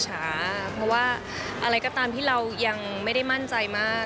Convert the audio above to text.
เพราะว่าอะไรก็ตามที่เรายังไม่ได้มั่นใจมาก